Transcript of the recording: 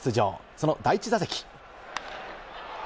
その第１打席。